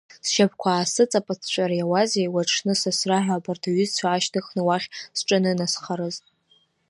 Сшьапқәа аасыҵаԥыҵәҵәар иауазеи, уи аҽны сасра ҳәа абарҭ аҩызцәа аашьҭыхны уахь сҿанынасхарыз!